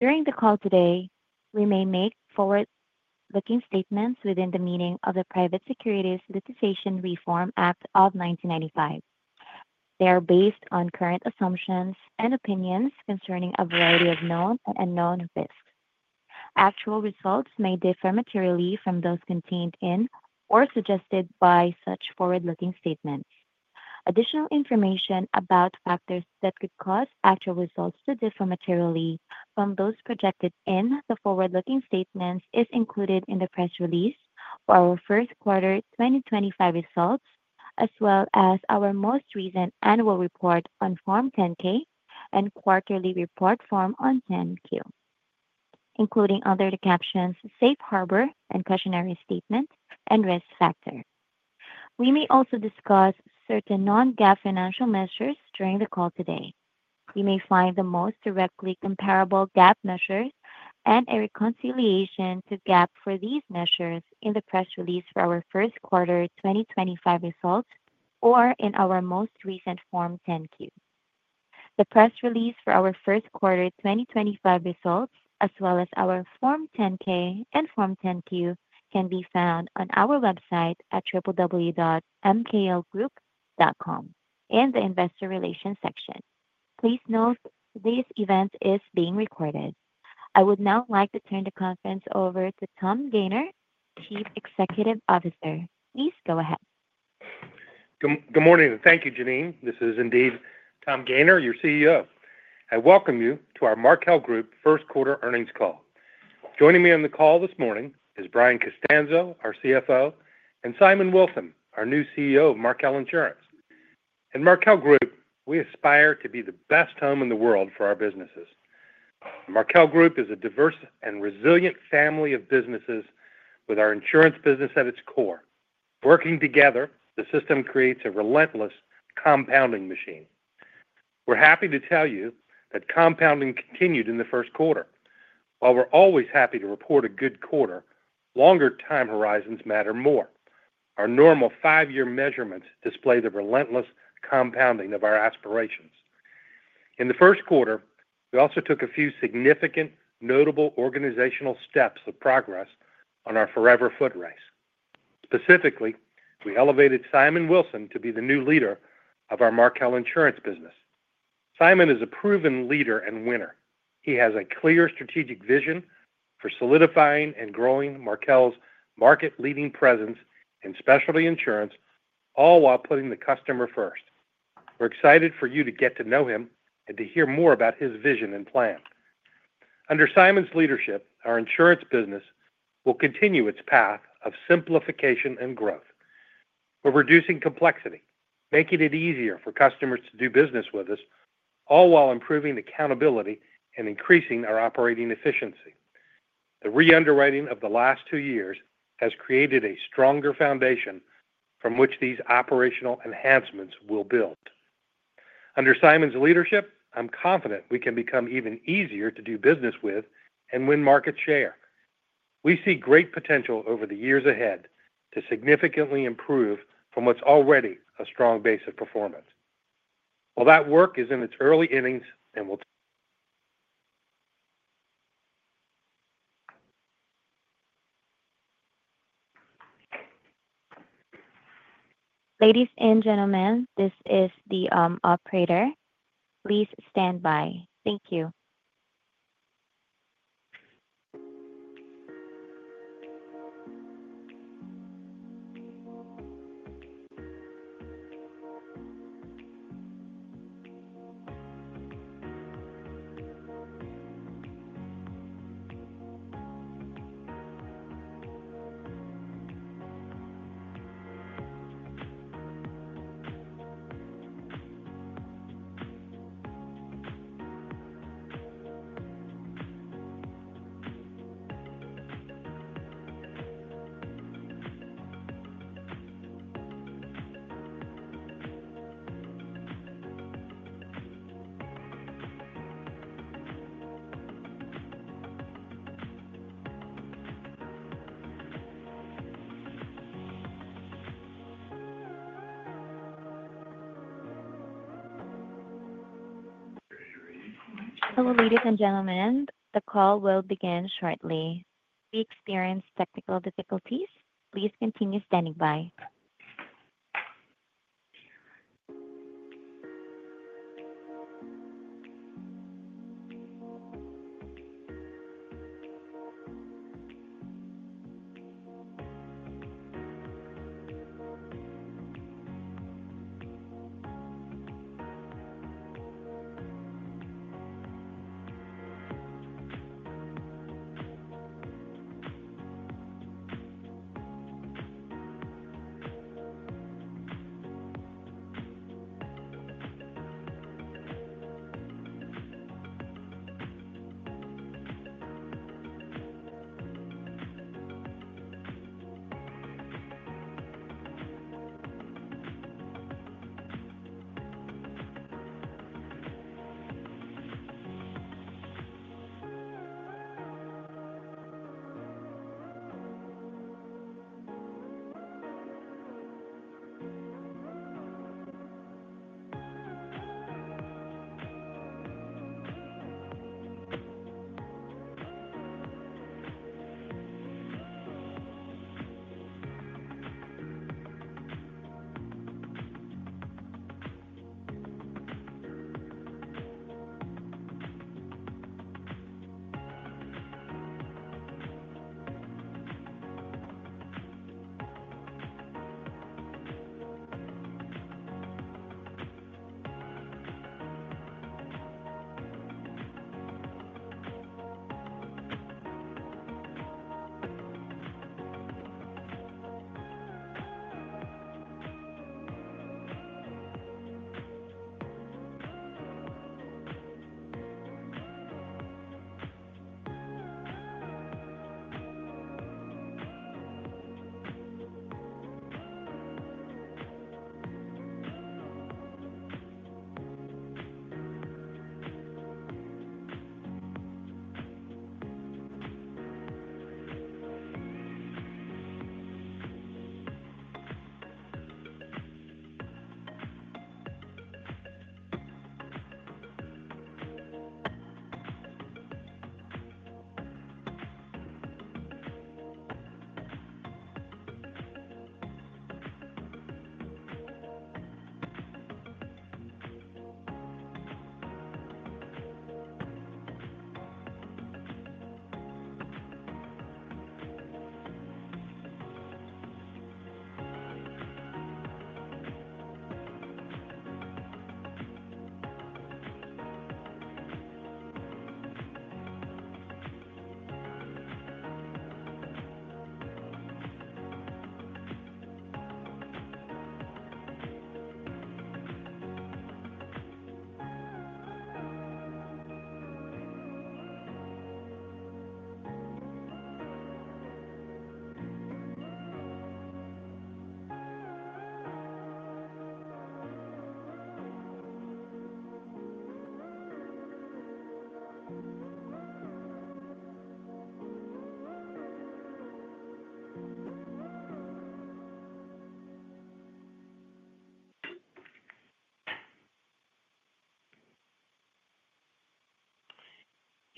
During the call today, we may make forward-looking statements within the meaning of the Private Securities Litigation Reform Act of 1995. They are based on current assumptions and opinions concerning a variety of known and unknown risks. Actual results may differ materially from those contained in or suggested by such forward-looking statements. Additional information about factors that could cause actual results to differ materially from those projected in the forward-looking statements is included in the press release for our first quarter 2025 results, as well as our most recent annual report on Form 10-K and quarterly report form on 10-Q, including under the captions "Safe Harbor" and "Cautionary Statement" and "Risk Factor." We may also discuss certain non-GAAP financial measures during the call today. You may find the most directly comparable GAAP measures and a reconciliation to GAAP for these measures in the press release for our first quarter 2025 results or in our most recent Form 10-Q. The press release for our first quarter 2025 results, as well as our Form 10-K and Form 10-Q, can be found on our website at www.mklgroup.com in the Investor Relations section. Please note this event is being recorded. I would now like to turn the conference over to Tom Gayner, Chief Executive Officer. Please go ahead. Good morning. Thank you, Janine. This is indeed Tom Gayner, your CEO. I welcome you to our Markel Group first quarter earnings call. Joining me on the call this morning is Brian Costanzo, our CFO, and Simon Wilson, our new CEO of Markel Insurance. At Markel Group, we aspire to be the best home in the world for our businesses. Markel Group is a diverse and resilient family of businesses with our insurance business at its core. Working together, the system creates a relentless compounding machine. We're happy to tell you that compounding continued in the first quarter. While we're always happy to report a good quarter, longer time horizons matter more. Our normal five-year measurements display the relentless compounding of our aspirations. In the first quarter, we also took a few significant, notable organizational steps of progress on our forever foot race. Specifically, we elevated Simon Wilson to be the new leader of our Markel Insurance business. Simon is a proven leader and winner. He has a clear strategic vision for solidifying and growing Markel's market-leading presence in specialty insurance, all while putting the customer first. We're excited for you to get to know him and to hear more about his vision and plan. Under Simon's leadership, our insurance business will continue its path of simplification and growth. We're reducing complexity, making it easier for customers to do business with us, all while improving accountability and increasing our operating efficiency. The re-underwriting of the last two years has created a stronger foundation from which these operational enhancements will build. Under Simon's leadership, I'm confident we can become even easier to do business with and win market share. We see great potential over the years ahead to significantly improve from what's already a strong base of performance. While that work is in its early innings and will. Ladies and gentlemen, this is the operator. Please stand by. Thank you. Hello, ladies and gentlemen. The call will begin shortly. If you experience technical difficulties, please continue standing by.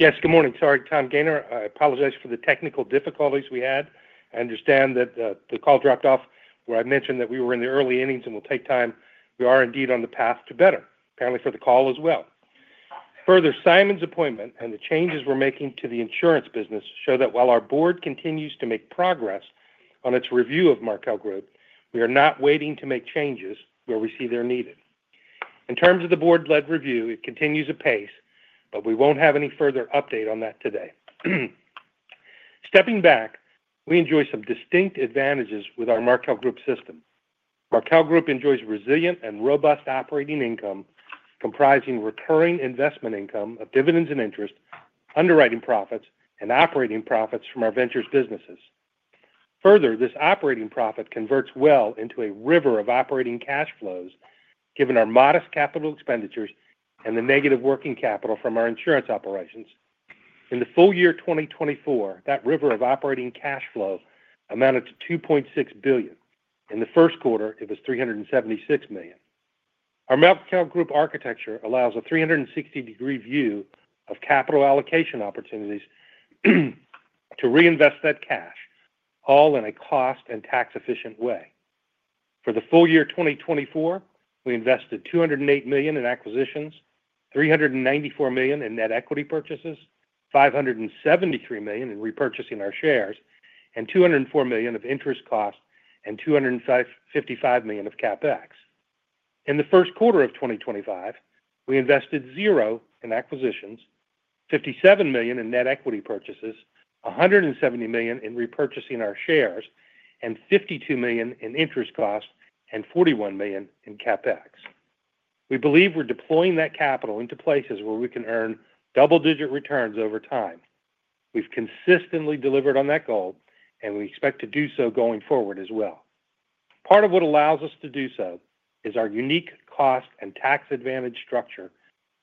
Yes, good morning. Sorry, Tom Gayner. I apologize for the technical difficulties we had. I understand that the call dropped off where I mentioned that we were in the early innings and will take time. We are indeed on the path to better, apparently for the call as well. Further, Simon's appointment and the changes we're making to the insurance business show that while our board continues to make progress on its review of Markel Group, we are not waiting to make changes where we see they're needed. In terms of the board-led review, it continues apace, but we won't have any further update on that today. Stepping back, we enjoy some distinct advantages with our Markel Group system. Markel Group enjoys resilient and robust operating income comprising recurring investment income of dividends and interest, underwriting profits, and operating profits from our ventures businesses. Further, this operating profit converts well into a river of operating cash flows given our modest capital expenditures and the negative working capital from our insurance operations. In the full year 2024, that river of operating cash flow amounted to $2.6 billion. In the first quarter, it was $376 million. Our Markel Group architecture allows a 360-degree view of capital allocation opportunities to reinvest that cash, all in a cost and tax-efficient way. For the full year 2024, we invested $208 million in acquisitions, $394 million in net equity purchases, $573 million in repurchasing our shares, and $204 million of interest costs and $255 million of CapEx. In the first quarter of 2025, we invested $0 in acquisitions, $57 million in net equity purchases, $170 million in repurchasing our shares, and $52 million in interest costs and $41 million in CapEx. We believe we're deploying that capital into places where we can earn double-digit returns over time. We've consistently delivered on that goal, and we expect to do so going forward as well. Part of what allows us to do so is our unique cost and tax-advantaged structure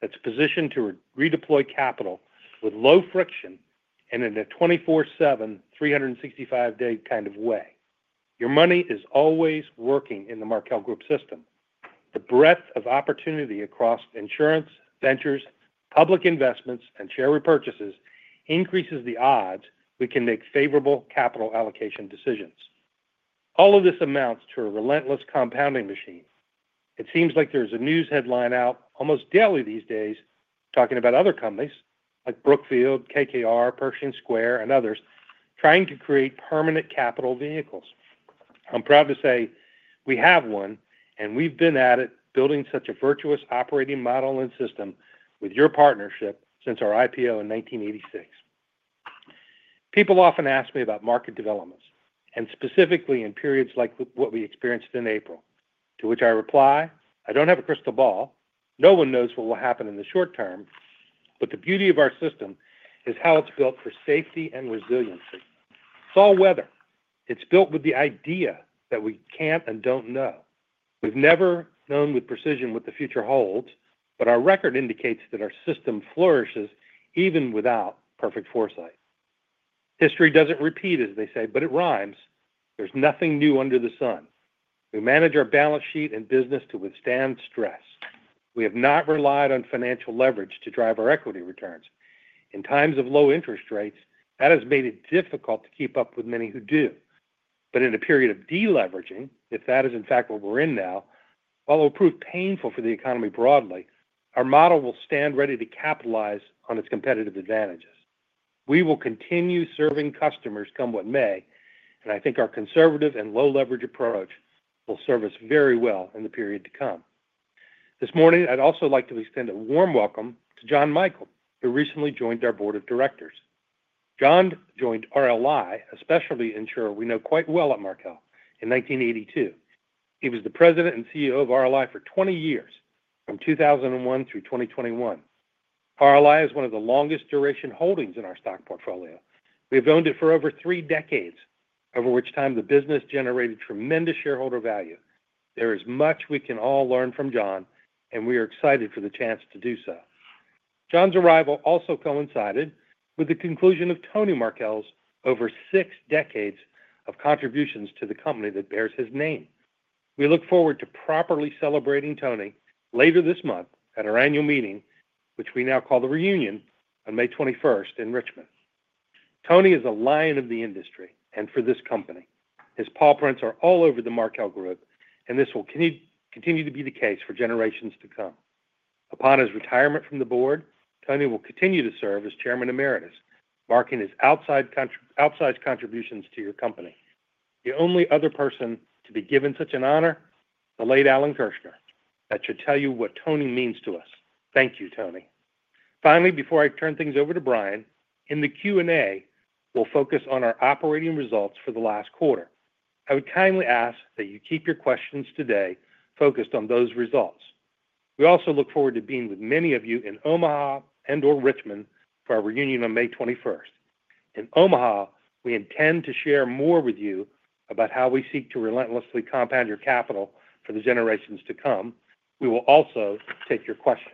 that's positioned to redeploy capital with low friction and in a 24/7, 365-day kind of way. Your money is always working in the Markel Group system. The breadth of opportunity across insurance, ventures, public investments, and share repurchases increases the odds we can make favorable capital allocation decisions. All of this amounts to a relentless compounding machine. It seems like there's a news headline out almost daily these days talking about other companies like Brookfield, KKR, Pershing Square, and others trying to create permanent capital vehicles. I'm proud to say we have one, and we've been at it building such a virtuous operating model and system with your partnership since our IPO in 1986. People often ask me about market developments, and specifically in periods like what we experienced in April, to which I reply, "I don't have a crystal ball. No one knows what will happen in the short term, but the beauty of our system is how it's built for safety and resiliency". It's all weather. It's built with the idea that we can't and don't know. We've never known with precision what the future holds, but our record indicates that our system flourishes even without perfect foresight. History doesn't repeat, as they say, but it rhymes. There's nothing new under the sun. We manage our balance sheet and business to withstand stress. We have not relied on financial leverage to drive our equity returns. In times of low interest rates, that has made it difficult to keep up with many who do. In a period of deleveraging, if that is in fact what we're in now, while it will prove painful for the economy broadly, our model will stand ready to capitalize on its competitive advantages. We will continue serving customers come what may, and I think our conservative and low-leverage approach will serve us very well in the period to come. This morning, I'd also like to extend a warm welcome to John Michael, who recently joined our board of directors. John joined RLI, a specialty insurer we know quite well at Markel, in 1982. He was the president and CEO of RLI for 20 years, from 2001 through 2021. RLI is one of the longest-duration holdings in our stock portfolio. We have owned it for over three decades, over which time the business generated tremendous shareholder value. There is much we can all learn from John, and we are excited for the chance to do so. John's arrival also coincided with the conclusion of Tony Markel's over six decades of contributions to the company that bears his name. We look forward to properly celebrating Tony later this month at our annual meeting, which we now call the reunion, on May 21 in Richmond. Tony is a lion of the industry and for this company. His paw prints are all over the Markel Group, and this will continue to be the case for generations to come. Upon his retirement from the board, Tony will continue to serve as chairman emeritus, marking his outsized contributions to your company. The only other person to be given such an honor, the late Alan Kirshner, that should tell you what Tony means to us. Thank you, Tony. Finally, before I turn things over to Brian, in the Q&A, we'll focus on our operating results for the last quarter. I would kindly ask that you keep your questions today focused on those results. We also look forward to being with many of you in Omaha and/or Richmond for our reunion on May 21st. In Omaha, we intend to share more with you about how we seek to relentlessly compound your capital for the generations to come. We will also take your questions.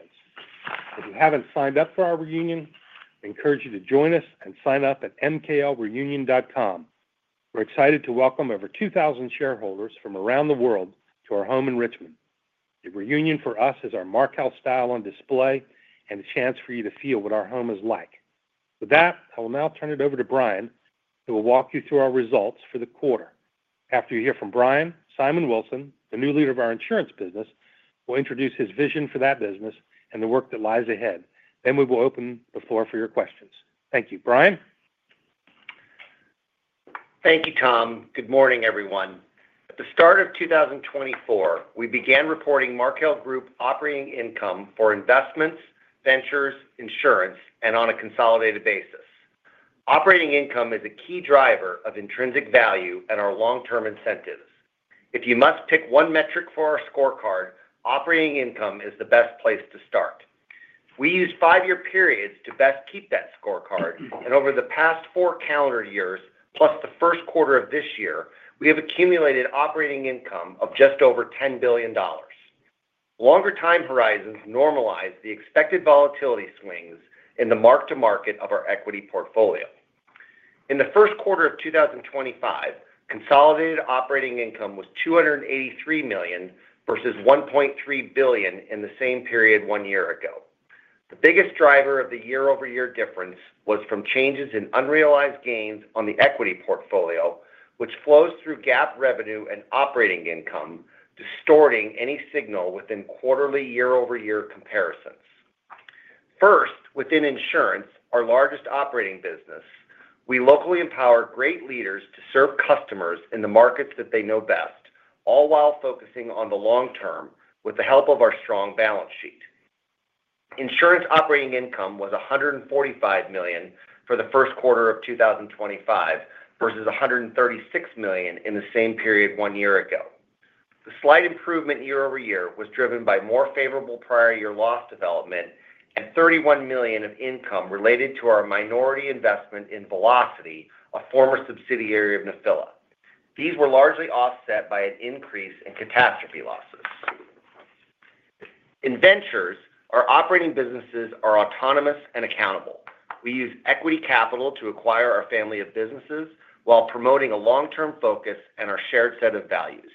If you have not signed up for our reunion, I encourage you to join us and sign up at mklreunion.com. We are excited to welcome over 2,000 shareholders from around the world to our home in Richmond. The reunion for us is our Markel style on display and a chance for you to feel what our home is like. With that, I will now turn it over to Brian, who will walk you through our results for the quarter. After you hear from Brian, Simon Wilson, the new leader of our insurance business, will introduce his vision for that business and the work that lies ahead. We will open the floor for your questions. Thank you, Brian. Thank you, Tom. Good morning, everyone. At the start of 2024, we began reporting Markel Group operating income for investments, ventures, insurance, and on a consolidated basis. Operating income is a key driver of intrinsic value and our long-term incentives. If you must pick one metric for our scorecard, operating income is the best place to start. We use five-year periods to best keep that scorecard, and over the past four calendar years, plus the first quarter of this year, we have accumulated operating income of just over $10 billion. Longer time horizons normalize the expected volatility swings in the mark-to-market of our equity portfolio. In the first quarter of 2025, consolidated operating income was $283 million versus $1.3 billion in the same period one year ago. The biggest driver of the year-over-year difference was from changes in unrealized gains on the equity portfolio, which flows through GAAP revenue and operating income, distorting any signal within quarterly year-over-year comparisons. First, within insurance, our largest operating business, we locally empower great leaders to serve customers in the markets that they know best, all while focusing on the long term with the help of our strong balance sheet. Insurance operating income was $145 million for the first quarter of 2025 versus $136 million in the same period one year ago. The slight improvement year-over-year was driven by more favorable prior-year loss development and $31 million of income related to our minority investment in Velocity, a former subsidiary of Nephila. These were largely offset by an increase in catastrophe losses. In ventures, our operating businesses are autonomous and accountable. We use equity capital to acquire our family of businesses while promoting a long-term focus and our shared set of values.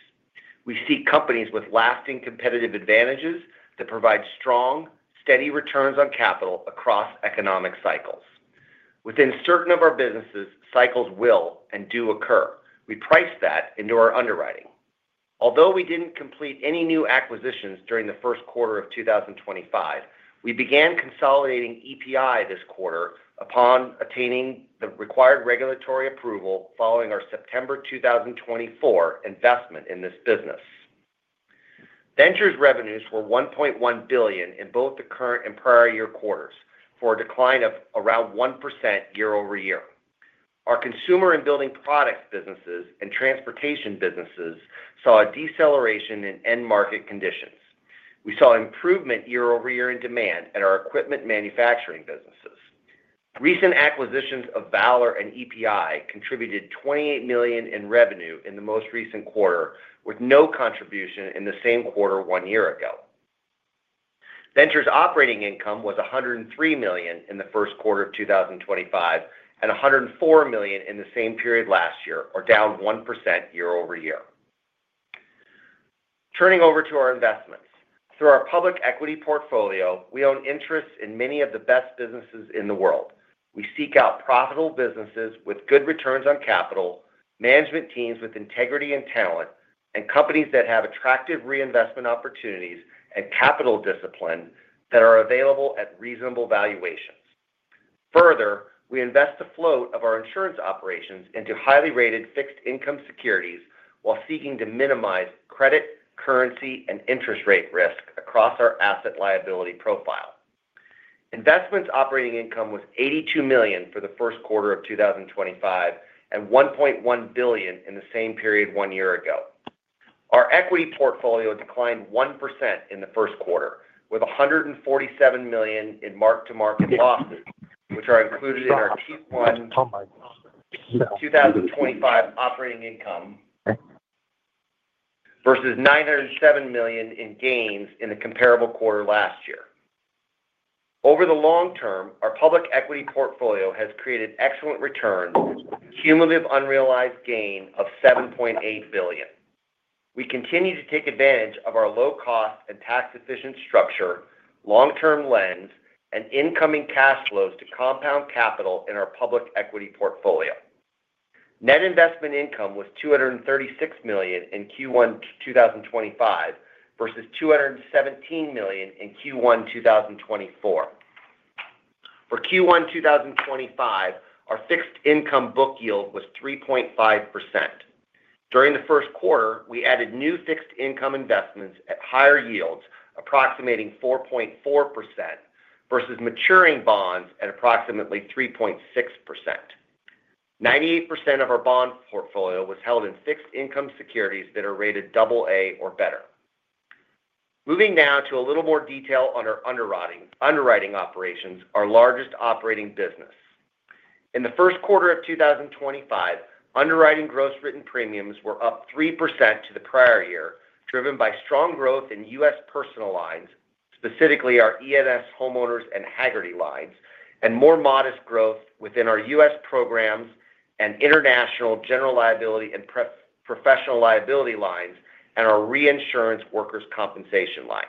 We seek companies with lasting competitive advantages that provide strong, steady returns on capital across economic cycles. Within certain of our businesses, cycles will and do occur. We price that into our underwriting. Although we did not complete any new acquisitions during the first quarter of 2025, we began consolidating EPI this quarter upon attaining the required regulatory approval following our September 2024 investment in this business. Ventures revenues were $1.1 billion in both the current and prior-year quarters for a decline of around 1% year-over-year. Our consumer and building products businesses and transportation businesses saw a deceleration in end-market conditions. We saw improvement year-over-year in demand at our equipment manufacturing businesses. Recent acquisitions of Valor and EPI contributed $28 million in revenue in the most recent quarter, with no contribution in the same quarter one year ago. Ventures operating income was $103 million in the first quarter of 2025 and $104 million in the same period last year, or down 1% year-over-year. Turning over to our investments. Through our public equity portfolio, we own interests in many of the best businesses in the world. We seek out profitable businesses with good returns on capital, management teams with integrity and talent, and companies that have attractive reinvestment opportunities and capital discipline that are available at reasonable valuations. Further, we invest the float of our insurance operations into highly rated fixed income securities while seeking to minimize credit, currency, and interest rate risk across our asset liability profile. Investments operating income was $82 million for the first quarter of 2025 and $1.1 billion in the same period one year ago. Our equity portfolio declined 1% in the first quarter, with $147 million in mark-to-market losses, which are included in our Q1 2025 operating income versus $907 million in gains in the comparable quarter last year. Over the long term, our public equity portfolio has created excellent returns, cumulative unrealized gain of $7.8 billion. We continue to take advantage of our low-cost and tax-efficient structure, long-term lens, and incoming cash flows to compound capital in our public equity portfolio. Net investment income was $236 million in Q1 2025 versus $217 million in Q1 2024. For Q1 2025, our fixed income book yield was 3.5%. During the first quarter, we added new fixed income investments at higher yields, approximating 4.4%, versus maturing bonds at approximately 3.6%. 98% of our bond portfolio was held in fixed income securities that are rated AA or better. Moving now to a little more detail on our underwriting operations, our largest operating business. In the first quarter of 2025, underwriting gross written premiums were up 3% to the prior year, driven by strong growth in U.S. personal lines, specifically our E&S homeowners and Hagerty lines, and more modest growth within our U.S. programs and international general liability and professional liability lines and our reinsurance workers' compensation line.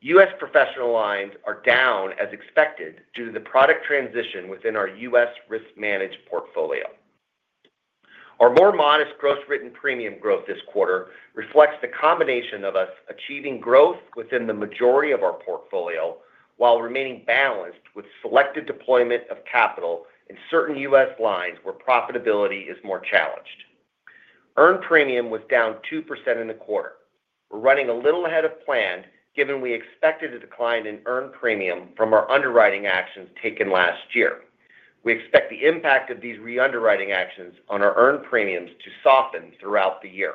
U.S. professional lines are down, as expected, due to the product transition within our U.S. risk-managed portfolio. Our more modest gross written premium growth this quarter reflects the combination of us achieving growth within the majority of our portfolio while remaining balanced with selective deployment of capital in certain U.S. lines where profitability is more challenged. Earned premium was down 2% in the quarter. We're running a little ahead of plan, given we expected a decline in earned premium from our underwriting actions taken last year. We expect the impact of these re-underwriting actions on our earned premiums to soften throughout the year.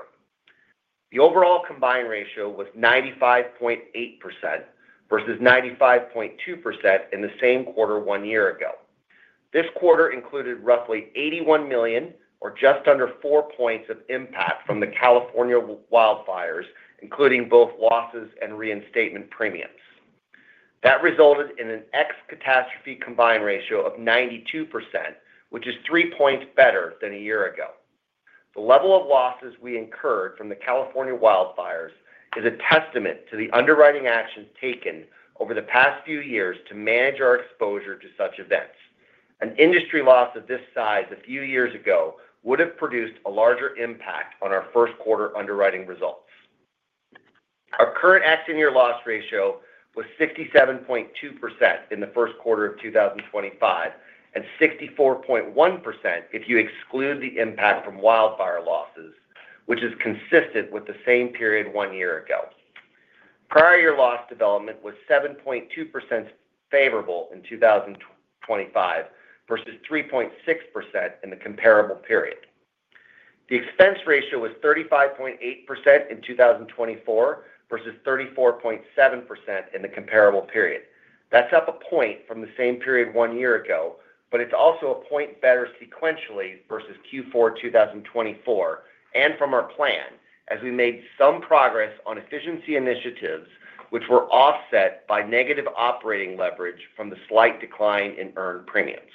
The overall combined ratio was 95.8% versus 95.2% in the same quarter one year ago. This quarter included roughly $81 million, or just under four points of impact from the California wildfires, including both losses and reinstatement premiums. That resulted in an ex-catastrophe combined ratio of 92%, which is three points better than a year ago. The level of losses we incurred from the California wildfires is a testament to the underwriting actions taken over the past few years to manage our exposure to such events. An industry loss of this size a few years ago would have produced a larger impact on our first quarter underwriting results. Our current ex-year loss ratio was 67.2% in the first quarter of 2025 and 64.1% if you exclude the impact from wildfire losses, which is consistent with the same period one year ago. Prior-year loss development was 7.2% favorable in 2025 versus 3.6% in the comparable period. The expense ratio was 35.8% in 2024 versus 34.7% in the comparable period. That's up a point from the same period one year ago, but it's also a point better sequentially versus Q4 2024 and from our plan, as we made some progress on efficiency initiatives, which were offset by negative operating leverage from the slight decline in earned premiums.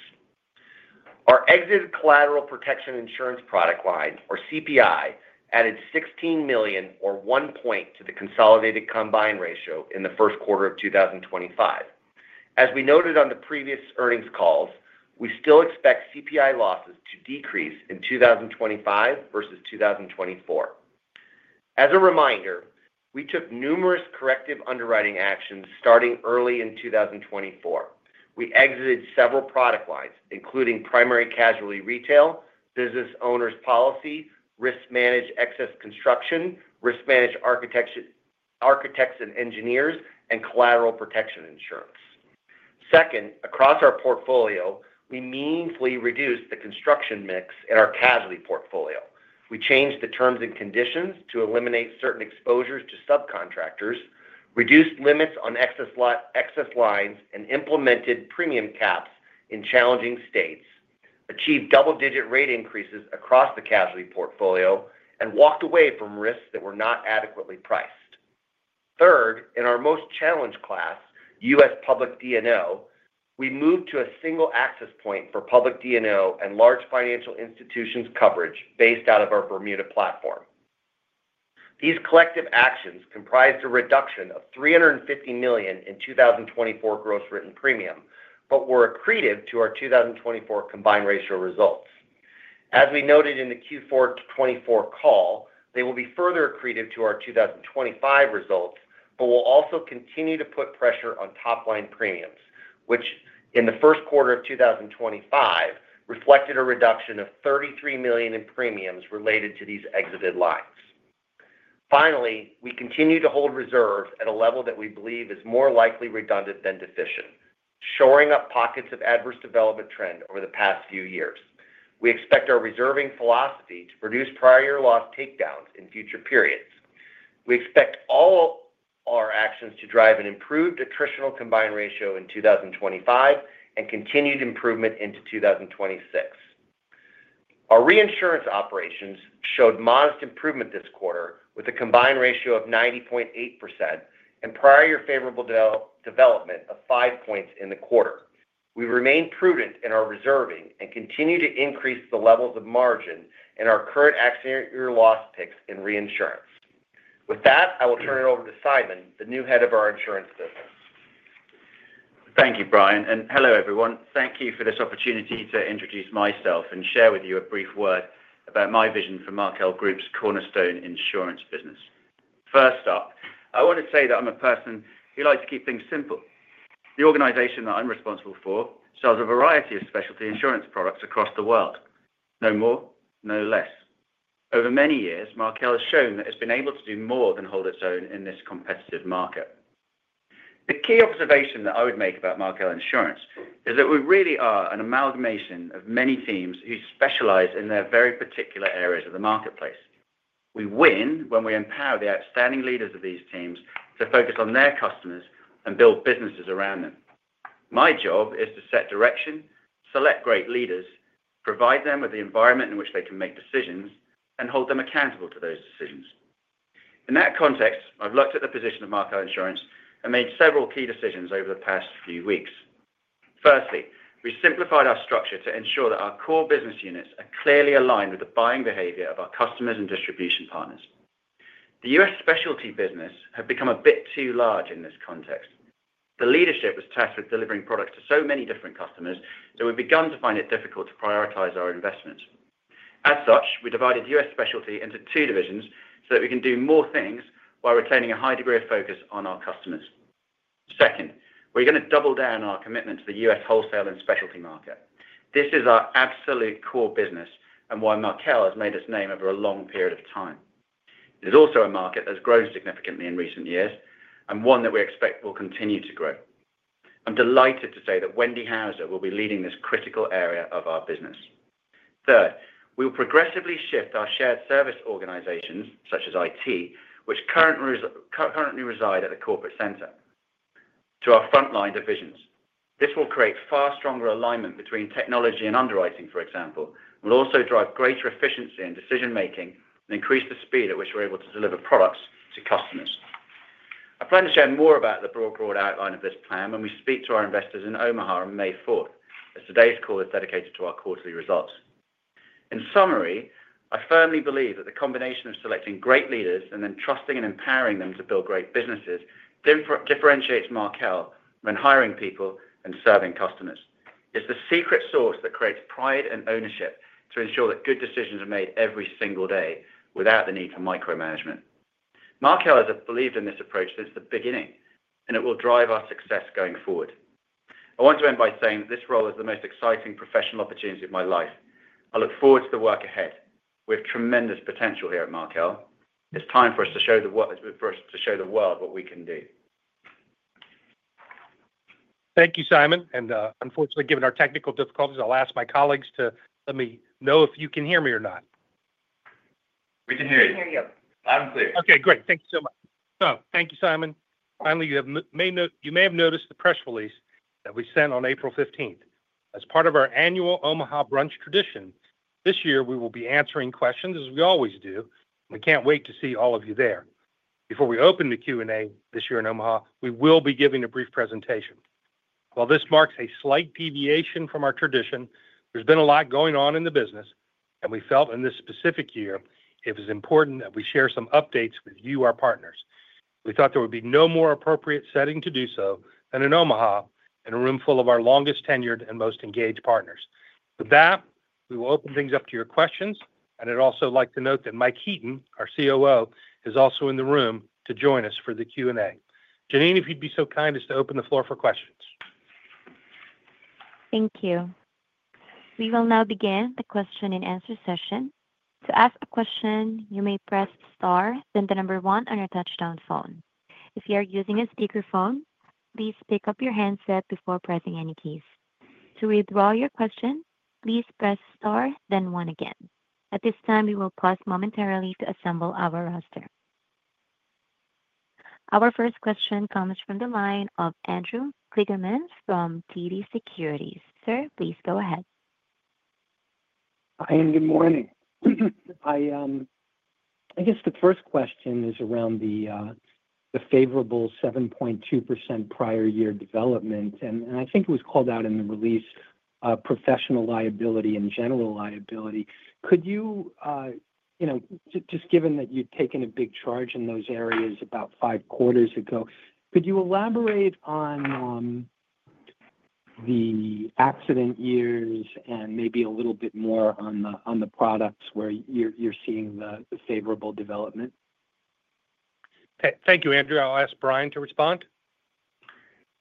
Our exited collateral protection insurance product line, or CPI, added $16 million, or one point, to the consolidated combined ratio in the first quarter of 2025. As we noted on the previous earnings calls, we still expect CPI losses to decrease in 2025 versus 2024. As a reminder, we took numerous corrective underwriting actions starting early in 2024. We exited several product lines, including primary casualty retail, business owners' policy, risk-managed excess construction, risk-managed architects and engineers, and collateral protection insurance. Second, across our portfolio, we meaningfully reduced the construction mix in our casualty portfolio. We changed the terms and conditions to eliminate certain exposures to subcontractors, reduced limits on excess lines, and implemented premium caps in challenging states, achieved double-digit rate increases across the casualty portfolio, and walked away from risks that were not adequately priced. Third, in our most challenged class, U.S. public D&O, we moved to a single access point for public D&O and large financial institutions coverage based out of our Bermuda platform. These collective actions comprised a reduction of $350 million in 2024 gross written premium, but were accretive to our 2024 combined ratio results. As we noted in the Q4 2024 call, they will be further accretive to our 2025 results, but will also continue to put pressure on top-line premiums, which, in the first quarter of 2025, reflected a reduction of $33 million in premiums related to these exited lines. Finally, we continue to hold reserves at a level that we believe is more likely redundant than deficient, shoring up pockets of adverse development trend over the past few years. We expect our reserving philosophy to produce prior-year loss takedowns in future periods. We expect all our actions to drive an improved attritional combined ratio in 2025 and continued improvement into 2026. Our reinsurance operations showed modest improvement this quarter with a combined ratio of 90.8% and prior-year favorable development of five points in the quarter. We remain prudent in our reserving and continue to increase the levels of margin in our current exit-year loss picks in reinsurance. With that, I will turn it over to Simon, the new head of our insurance business. Thank you, Brian. Hello, everyone. Thank you for this opportunity to introduce myself and share with you a brief word about my vision for Markel Group's Cornerstone Insurance business. First up, I want to say that I'm a person who likes to keep things simple. The organization that I'm responsible for sells a variety of specialty insurance products across the world, no more, no less. Over many years, Markel has shown that it's been able to do more than hold its own in this competitive market. The key observation that I would make about Markel Insurance is that we really are an amalgamation of many teams who specialize in their very particular areas of the marketplace. We win when we empower the outstanding leaders of these teams to focus on their customers and build businesses around them. My job is to set direction, select great leaders, provide them with the environment in which they can make decisions, and hold them accountable to those decisions. In that context, I've looked at the position of Markel Insurance and made several key decisions over the past few weeks. Firstly, we simplified our structure to ensure that our core business units are clearly aligned with the buying behavior of our customers and distribution partners. The U.S. specialty business had become a bit too large in this context. The leadership was tasked with delivering products to so many different customers that we've begun to find it difficult to prioritize our investments. As such, we divided U.S. specialty into two divisions so that we can do more things while retaining a high degree of focus on our customers. Second, we're going to double down our commitment to the U.S. wholesale and specialty market. This is our absolute core business and why Markel has made its name over a long period of time. It is also a market that has grown significantly in recent years and one that we expect will continue to grow. I'm delighted to say that Wendy Houser will be leading this critical area of our business. Third, we will progressively shift our shared service organizations, such as IT, which currently reside at the corporate center, to our frontline divisions. This will create far stronger alignment between technology and underwriting, for example, and will also drive greater efficiency in decision-making and increase the speed at which we're able to deliver products to customers. I plan to share more about the broad outline of this plan when we speak to our investors in Omaha on May 4th, as today's call is dedicated to our quarterly results. In summary, I firmly believe that the combination of selecting great leaders and then trusting and empowering them to build great businesses differentiates Markel when hiring people and serving customers. It's the secret sauce that creates pride and ownership to ensure that good decisions are made every single day without the need for micromanagement. Markel has believed in this approach since the beginning, and it will drive our success going forward. I want to end by saying that this role is the most exciting professional opportunity of my life. I look forward to the work ahead. We have tremendous potential here at Markel. It's time for us to show the world what we can do. Thank you, Simon. Unfortunately, given our technical difficulties, I'll ask my colleagues to let me know if you can hear me or not. We can hear you. I can hear you. I'm clear. Okay, great. Thank you so much. Thank you, Simon. Finally, you may have noticed the press release that we sent on April 15th. As part of our annual Omaha Brunch tradition, this year we will be answering questions, as we always do. We can't wait to see all of you there. Before we open the Q&A this year in Omaha, we will be giving a brief presentation. While this marks a slight deviation from our tradition, there's been a lot going on in the business, and we felt in this specific year it was important that we share some updates with you, our partners. We thought there would be no more appropriate setting to do so than in Omaha, in a room full of our longest-tenured and most engaged partners. With that, we will open things up to your questions, and I'd also like to note that Mike Heaton, our COO, is also in the room to join us for the Q&A. Janine, if you'd be so kind as to open the floor for questions. Thank you. We will now begin the question-and-answer session. To ask a question, you may press star, then the number one on your touch-tone phone. If you are using a speakerphone, please pick up your handset before pressing any keys. To withdraw your question, please press star, then one again. At this time, we will pause momentarily to assemble our roster. Our first question comes from the line of Andrew Kligerman from TD Securities. Sir, please go ahead. Hi, and good morning. I guess the first question is around the favorable 7.2% prior-year development, and I think it was called out in the release, professional liability and general liability. Could you, just given that you'd taken a big charge in those areas about five quarters ago, could you elaborate on the accident years and maybe a little bit more on the products where you're seeing the favorable development? Thank you, Andrew. I'll ask Brian to respond.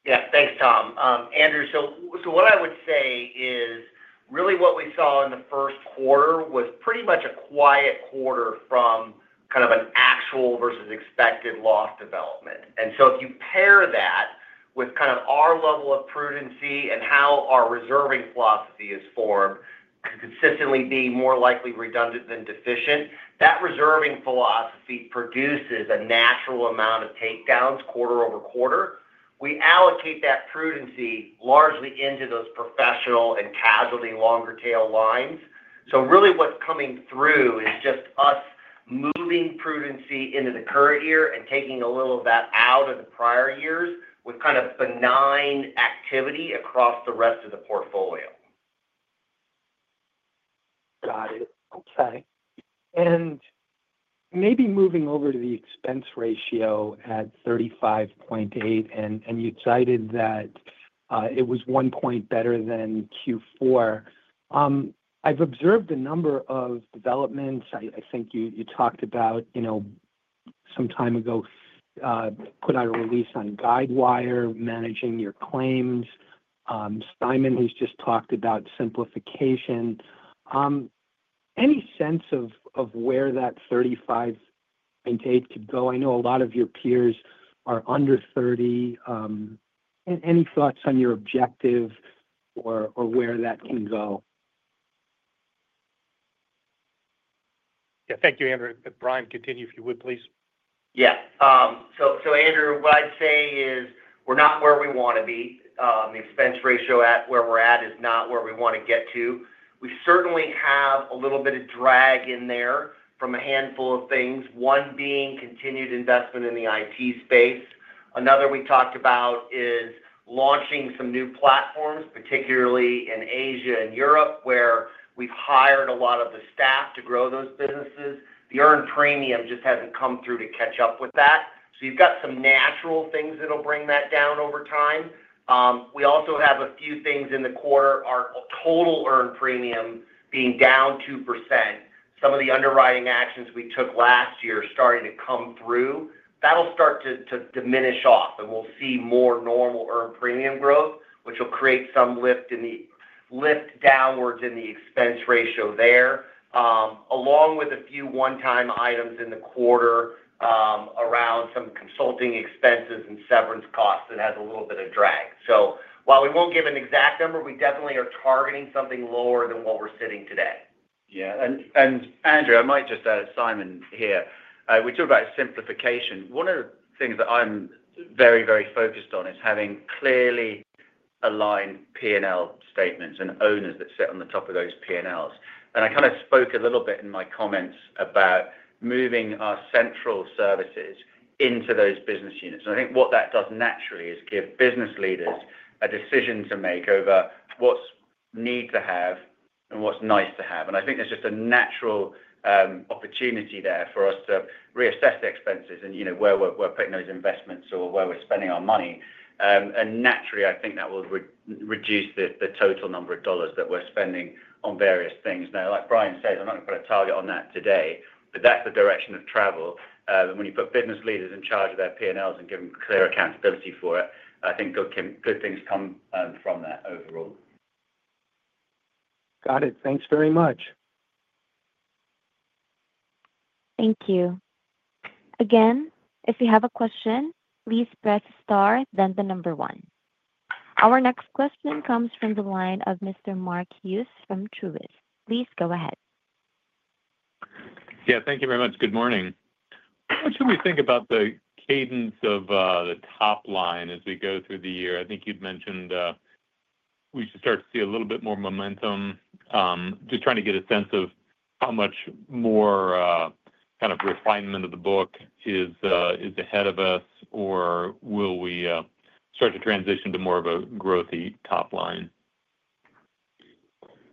Yeah, thanks, Tom. Andrew, so what I would say is really what we saw in the first quarter was pretty much a quiet quarter from kind of an actual versus expected loss development. If you pair that with kind of our level of prudency and how our reserving philosophy is formed, consistently being more likely redundant than deficient, that reserving philosophy produces a natural amount of takedowns quarter-over-quarter. We allocate that prudency largely into those professional and casualty longer-tail lines. So really what's coming through is just us moving prudency into the current year and taking a little of that out of the prior years with kind of benign activity across the rest of the portfolio. Got it. Okay. Maybe moving over to the expense ratio at 35.8%, and you cited that it was one point better than Q4. I have observed a number of developments. I think you talked about some time ago put out a release on Guidewire managing your claims. Simon, who just talked about simplification. Any sense of where that 35.8% could go? I know a lot of your peers are under 30. Any thoughts on your objective or where that can go? Yeah, thank you, Andrew. Brian, continue if you would, please. Yeah. So Andrew, what I'd say is we're not where we want to be. The expense ratio at where we're at is not where we want to get to. We certainly have a little bit of drag in there from a handful of things, one being continued investment in the IT space. Another we talked about is launching some new platforms, particularly in Asia and Europe, where we've hired a lot of the staff to grow those businesses. The earned premium just hasn't come through to catch up with that. You have some natural things that'll bring that down over time. We also have a few things in the quarter, our total earned premium being down 2%. Some of the underwriting actions we took last year are starting to come through. That'll start to diminish off, and we'll see more normal earned premium growth, which will create some lift downwards in the expense ratio there, along with a few one-time items in the quarter around some consulting expenses and severance costs that have a little bit of drag. While we won't give an exact number, we definitely are targeting something lower than what we're sitting today. Yeah. Andrew, I might just add, Simon here, we talked about simplification. One of the things that I'm very, very focused on is having clearly aligned P&L statements and owners that sit on the top of those P&Ls. I kind of spoke a little bit in my comments about moving our central services into those business units. I think what that does naturally is give business leaders a decision to make over what's need to have and what's nice to have. I think there's just a natural opportunity there for us to reassess the expenses and where we're putting those investments or where we're spending our money. Naturally, I think that will reduce the total number of dollars that we're spending on various things. Now, like Brian says, I'm not going to put a target on that today, but that's the direction of travel. When you put business leaders in charge of their P&Ls and give them clear accountability for it, I think good things come from that overall. Got it. Thanks very much. Thank you. Again, if you have a question, please press star, then the number one. Our next question comes from the line of Mr. Mark Hughes from Truist. Please go ahead. Yeah, thank you very much. Good morning. What should we think about the cadence of the top line as we go through the year? I think you'd mentioned we should start to see a little bit more momentum. Just trying to get a sense of how much more kind of refinement of the book is ahead of us, or will we start to transition to more of a growthy top line?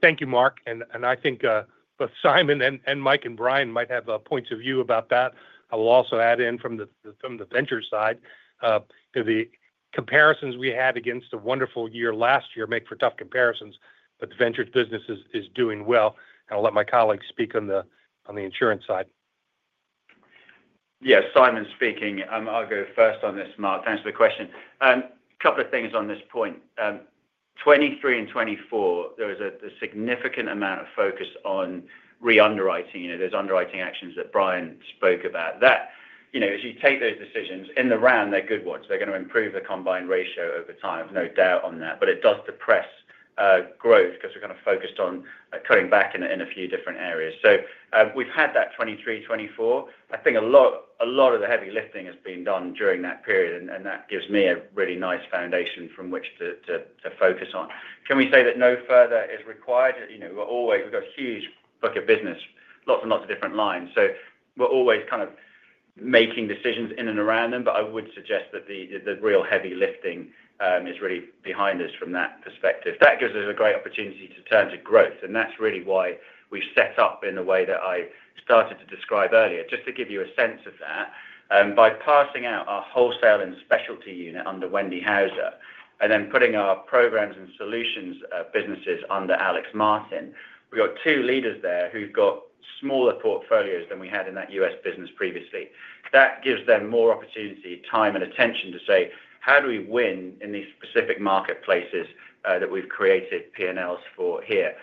Thank you, Mark. I think both Simon and Mike and Brian might have points of view about that. I will also add in from the venture side, the comparisons we had against the wonderful year last year make for tough comparisons, but the venture business is doing well. I will let my colleagues speak on the insurance side. Yes, Simon speaking. I'll go first on this, Mark. Thanks for the question. A couple of things on this point. 2023 and 2024, there was a significant amount of focus on re-underwriting. There are underwriting actions that Brian spoke about. As you take those decisions, in the round, they are good ones. They are going to improve the combined ratio over time, no doubt on that. It does depress growth because we are kind of focused on cutting back in a few different areas. We have had that 2023, 2024. I think a lot of the heavy lifting has been done during that period, and that gives me a really nice foundation from which to focus on. Can we say that no further is required? We have got a huge book of business, lots and lots of different lines. We are always kind of making decisions in and around them, but I would suggest that the real heavy lifting is really behind us from that perspective. That gives us a great opportunity to turn to growth, and that's really why we've set up in the way that I started to describe earlier. Just to give you a sense of that, by passing out our wholesale and specialty unit under Wendy Houser and then putting our programs and solutions businesses under Alex Martin, we've got two leaders there who've got smaller portfolios than we had in that U.S. business previously. That gives them more opportunity, time, and attention to say, "How do we win in these specific marketplaces that we've created P&Ls for here?"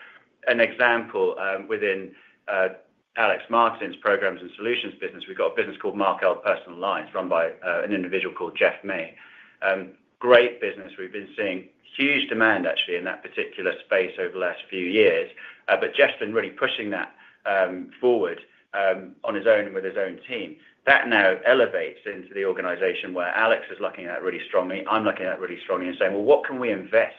An example within Alex Martin's programs and solutions business, we've got a business called Markel Personal Lines, run by an individual called Jeff May. Great business. We've been seeing huge demand, actually, in that particular space over the last few years, but Jeff's been really pushing that forward on his own and with his own team. That now elevates into the organization where Alex is looking at that really strongly. I'm looking at that really strongly and saying, "What can we invest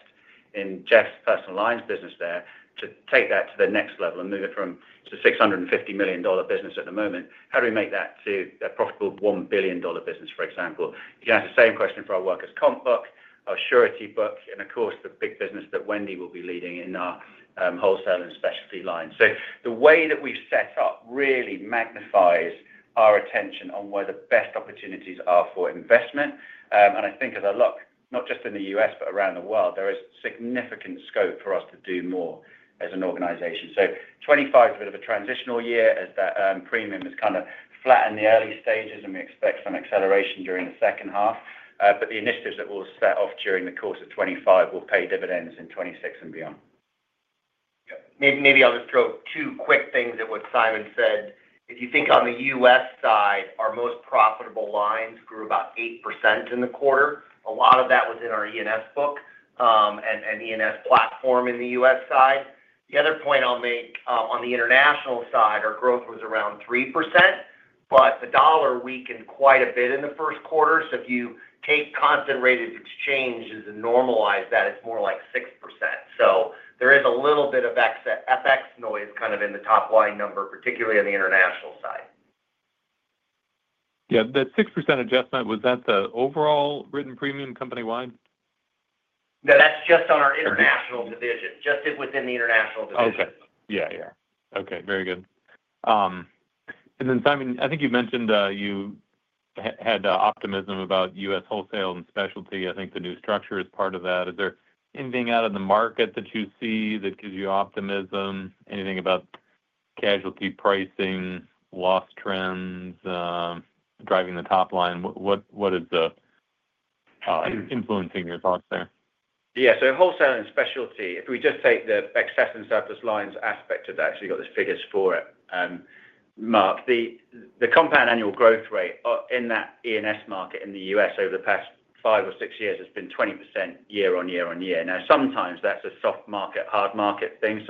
in Jeff's Personal Lines business there to take that to the next level and move it from the $650 million business at the moment? How do we make that to a profitable $1 billion business, for example?" You can ask the same question for our workers' comp book, our surety book, and of course, the big business that Wendy will be leading in our wholesale and specialty line. The way that we've set up really magnifies our attention on where the best opportunities are for investment. I think as I look, not just in the U.S., but around the world, there is significant scope for us to do more as an organization. 2025 is a bit of a transitional year as that premium has kind of flattened in the early stages, and we expect some acceleration during the second half. The initiatives that we'll set off during the course of 2025 will pay dividends in 2026 and beyond. Maybe I'll just throw two quick things at what Simon said. If you think on the U.S. side, our most profitable lines grew about 8% in the quarter. A lot of that was in our E&S book and E&S platform in the U.S. side. The other point I'll make on the international side, our growth was around 3%, but the dollar weakened quite a bit in the first quarter. If you take constant rate of exchange and normalize that, it's more like 6%. There is a little bit of FX noise kind of in the top line number, particularly on the international side. Yeah, that 6% adjustment, was that the overall written premium company-wide? No, that's just on our international division, just within the international division. Okay. Yeah, yeah. Okay, very good. And then Simon, I think you mentioned you had optimism about U.S. wholesale and specialty. I think the new structure is part of that. Is there anything out of the market that you see that gives you optimism? Anything about casualty pricing, loss trends, driving the top line? What is influencing your thoughts there? Yeah, so wholesale and specialty, if we just take the excess and surplus lines aspect of that, actually got the figures for it, Mark, the compound annual growth rate in that E&S market in the U.S. over the past five or six years has been 20% year-on-year on year. Now, sometimes that's a soft market, hard market thing.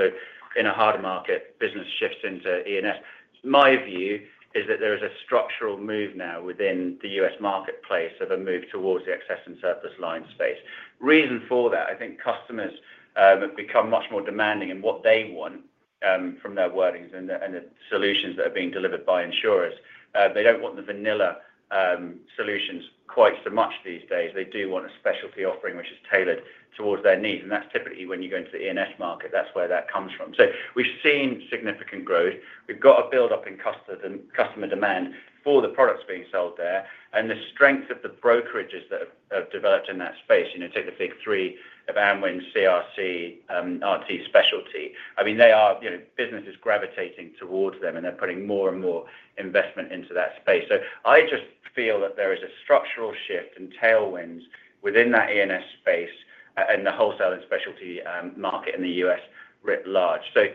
In a hard market, business shifts into E&S. My view is that there is a structural move now within the U.S. marketplace of a move towards the excess and surplus line space. Reason for that, I think customers have become much more demanding in what they want from their wordings and the solutions that are being delivered by insurers. They don't want the vanilla solutions quite so much these days. They do want a specialty offering which is tailored towards their needs. That is typically when you go into the E&S market, that is where that comes from. We have seen significant growth. We have got a build-up in customer demand for the products being sold there. The strength of the brokerages that have developed in that space, take the big three of AmWINS, CRC Group, RT Specialty. I mean, business is gravitating towards them, and they are putting more and more investment into that space. I just feel that there is a structural shift and tailwinds within that E&S space and the wholesale and specialty market in the U.S. writ large. There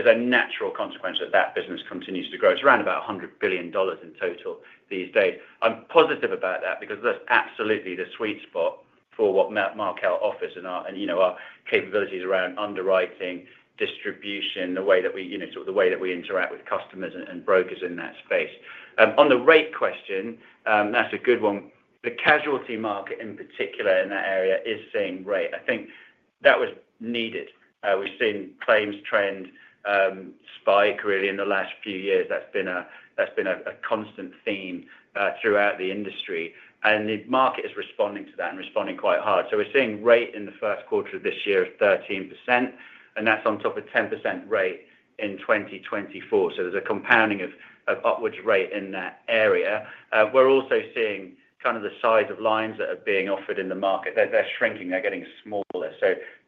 is a natural consequence that that business continues to grow. It is around about $100 billion in total these days. I'm positive about that because that's absolutely the sweet spot for what Markel offers and our capabilities around underwriting, distribution, the way that we sort of the way that we interact with customers and brokers in that space. On the rate question, that's a good one. The casualty market in particular in that area is seeing rate. I think that was needed. We've seen claims trend spike really in the last few years. That's been a constant theme throughout the industry. The market is responding to that and responding quite hard. We're seeing rate in the first quarter of this year of 13%, and that's on top of 10% rate in 2024. There's a compounding of upwards rate in that area. We're also seeing kind of the size of lines that are being offered in the market. They're shrinking. They're getting smaller.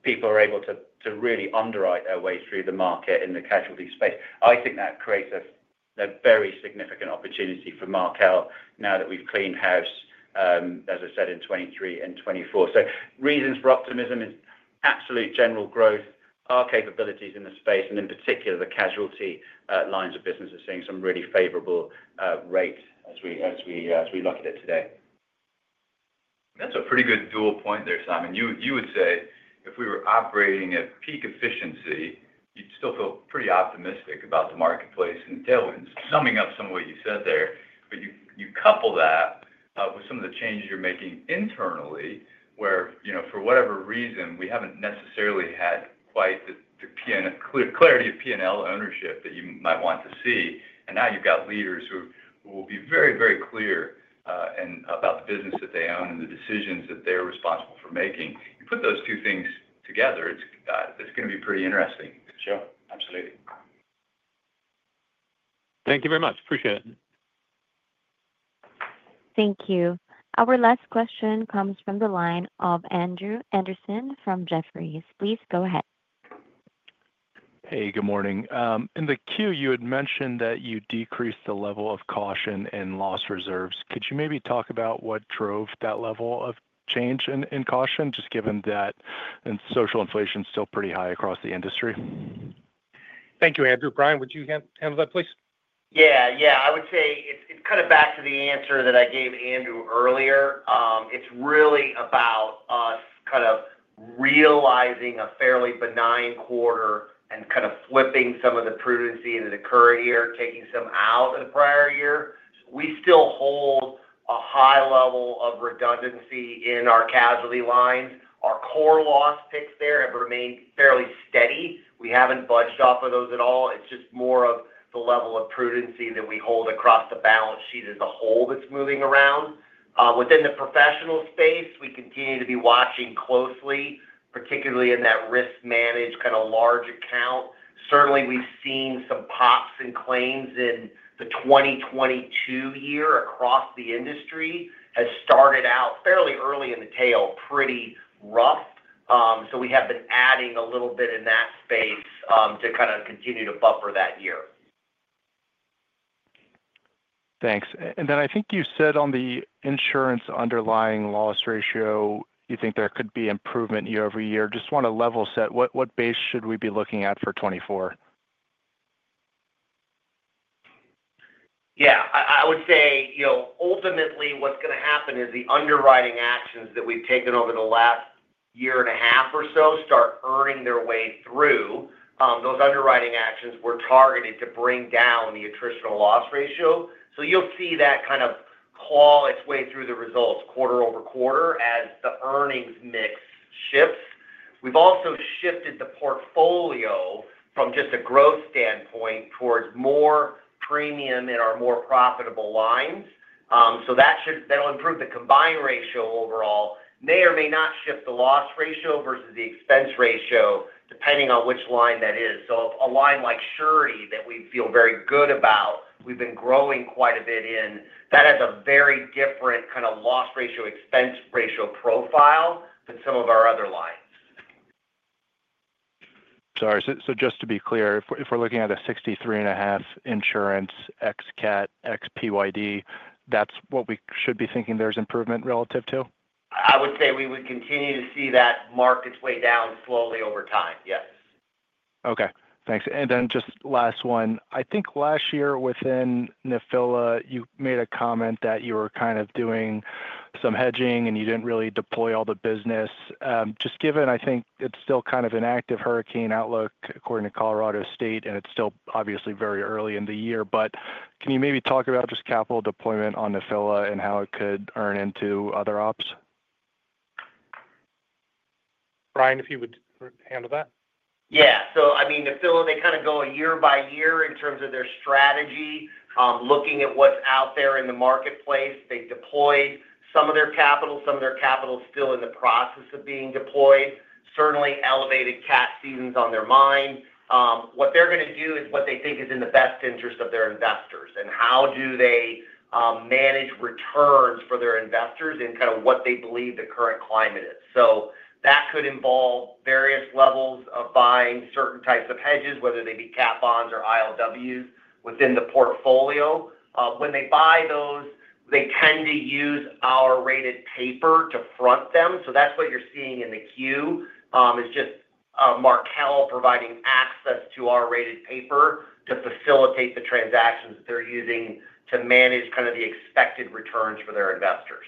People are able to really underwrite their way through the market in the casualty space. I think that creates a very significant opportunity for Markel now that we have cleaned house, as I said, in 2023 and 2024. Reasons for optimism is absolute general growth, our capabilities in the space, and in particular, the casualty lines of business are seeing some really favorable rate as we look at it today. That is a pretty good dual point there, Simon. You would say if we were operating at peak efficiency, you would still feel pretty optimistic about the marketplace and tailwinds, summing up some of what you said there. You couple that with some of the changes you are making internally, where for whatever reason, we have not necessarily had quite the clarity of P&L ownership that you might want to see. Now you have got leaders who will be very, very clear about the business that they own and the decisions that they are responsible for making. You put those two things together, it is going to be pretty interesting. Sure. Absolutely. Thank you very much. Appreciate it. Thank you. Our last question comes from the line of Andrew Andersen from Jefferies. Please go ahead. Hey, good morning. In the queue, you had mentioned that you decreased the level of caution in loss reserves. Could you maybe talk about what drove that level of change in caution, just given that social inflation is still pretty high across the industry? Thank you, Andrew. Brian, would you handle that, please? Yeah, yeah. I would say it is kind of back to the answer that I gave Andrew earlier. It's really about us kind of realizing a fairly benign quarter and kind of flipping some of the prudency that occurred here, taking some out of the prior year. We still hold a high level of redundancy in our casualty lines. Our core loss picks there have remained fairly steady. We haven't budged off of those at all. It's just more of the level of prudency that we hold across the balance sheet as a whole that's moving around. Within the professional space, we continue to be watching closely, particularly in that risk-managed kind of large account. Certainly, we've seen some pops and claims in the 2022 year across the industry has started out fairly early in the tail, pretty rough. We have been adding a little bit in that space to kind of continue to buffer that year. Thanks. I think you said on the insurance underlying loss ratio, you think there could be improvement year-over-year. Just want to level set. What base should we be looking at for 2024? Yeah, I would say ultimately what's going to happen is the underwriting actions that we've taken over the last year and a half or so start earning their way through. Those underwriting actions were targeted to bring down the attritional loss ratio. You will see that kind of claw its way through the results quarter-over-quarter as the earnings mix shifts. We have also shifted the portfolio from just a growth standpoint towards more premium and our more profitable lines. That will improve the combined ratio overall. It may or may not shift the loss ratio versus the expense ratio, depending on which line that is. A line like Surety that we feel very good about, we've been growing quite a bit in, that has a very different kind of loss ratio, expense ratio profile than some of our other lines. Sorry. Just to be clear, if we're looking at a 63.5 insurance, XCAT, XPYD, that's what we should be thinking there's improvement relative to? I would say we would continue to see that mark its way down slowly over time. Yes. Okay. Thanks. Then just last one. I think last year within Nephila, you made a comment that you were kind of doing some hedging and you didn't really deploy all the business. Just given, I think it's still kind of an active hurricane outlook according to Colorado State, and it's still obviously very early in the year. Can you maybe talk about just capital deployment on Nephila and how it could earn into other ops? Brian, if you would handle that. Yeah. I mean, Nephila, they kind of go year-by-year in terms of their strategy, looking at what's out there in the marketplace. They've deployed some of their capital, some of their capital is still in the process of being deployed. Certainly, elevated cat seasons on their mind. What they're going to do is what they think is in the best interest of their investors and how do they manage returns for their investors and kind of what they believe the current climate is. That could involve various levels of buying certain types of hedges, whether they be cat bonds or ILWs within the portfolio. When they buy those, they tend to use our rated paper to front them. That is what you are seeing in the queue, just Markel providing access to our rated paper to facilitate the transactions that they are using to manage kind of the expected returns for their investors.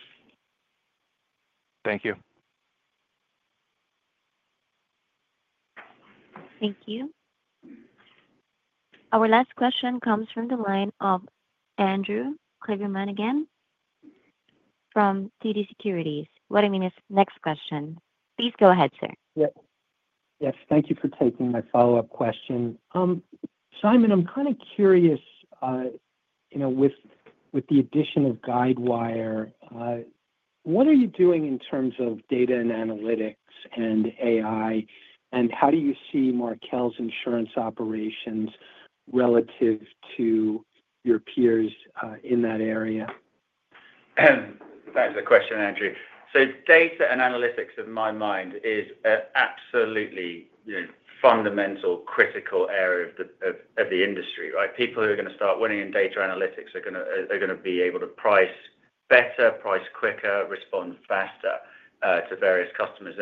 Thank you. Thank you. Our last question comes from the line of Andrew Kligerman again from TD Securities. What I mean is next question. Please go ahead, sir. Yes. Yes. Thank you for taking my follow-up question. Simon, I am kind of curious with the addition of Guidewire, what are you doing in terms of data and analytics and AI, and how do you see Markel's insurance operations relative to your peers in that area? That is a question, Andrew. Data and analytics in my mind is an absolutely fundamental critical area of the industry, right? People who are going to start winning in data analytics are going to be able to price better, price quicker, respond faster to various customers.